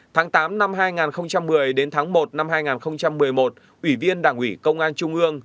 tháng tám năm hai nghìn một mươi đến tháng một năm hai nghìn một mươi một ủy viên đảng ủy công an trung ương